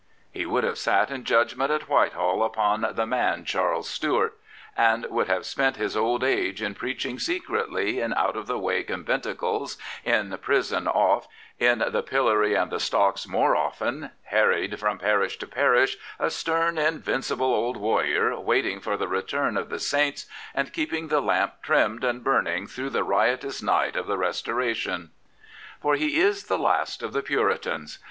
He would have sat in judgment at Whitehall upon " the man, Charles Stuart," and would have spent his old age in preaching secretly in out of the way con venticles, in prison oft, in the pillory and the stocks more often, harried from p^shTo parish, a stem, invincible old warrior waiting for the return of the saints and keeping the lamp trimmed and burning through the riotous night of the Restoration. For he is the last of the Puritans.